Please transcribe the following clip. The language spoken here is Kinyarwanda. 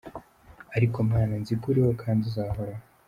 Aliko Mana nziko uriho kandi uzahoraho